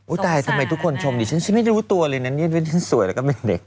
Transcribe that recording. ตายทำไมทุกคนชมดิฉันฉันไม่รู้ตัวเลยนะเนี่ยฉันสวยแล้วก็เป็นเด็ก